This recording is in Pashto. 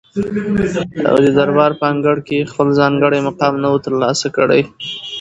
او ددربار په انګړ کي یې خپل ځانګړی مقام نه وو تر لاسه کړی